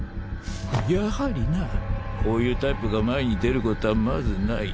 やはりなこういうタイプが前に出ることはまずない。